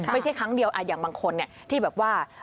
ไม่ใช่ครั้งเดียวอย่างบางคนที่แบบว่า